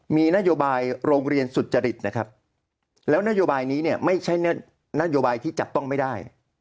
มีนโยบายโรงเรียนสุจริตนะครับแล้วนโยบายนี้เนี่ยไม่ใช่นโยบายที่จับต้องไม่ได้